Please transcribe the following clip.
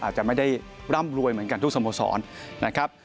อาจจะไม่ได้ร่ำรวยเหมือนกันทุกสโมสรนะครับ